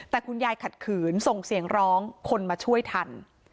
แต่คุณยายขัดขืนส่งเสียงร้องคนมาช่วยทัน